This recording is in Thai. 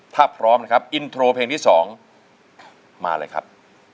ถ้าพร้อมนะครับอินโทรเพลงที่๒มาเลยครับ